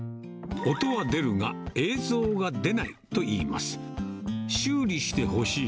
音は出るが、映像が出ないといいます。